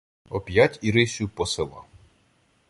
Оп'ять Ірисю посила: